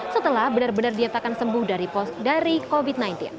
setelah benar benar diatakan sembuh dari covid sembilan belas